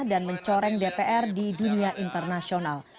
dan mencoreng dpr di dunia internasional